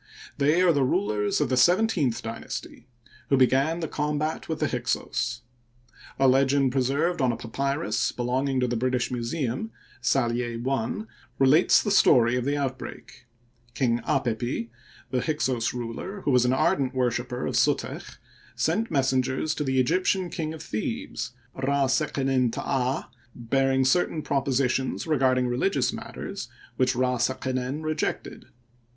They are the rulers of the seventeenth dynasty who began the combat with the Hyksos. A legend preserved on a papyrus belonging to the British Museum (Sallier I) relates the story of the out break. King Apepi, the Hyksos ruler, who was an ardent worshiper of Sutech', sent messengers to the Egyptian king of Thebes, Rd seqenen Ta da, bearing certain propo sitions regarding religious matters which Rd seqenen re jected.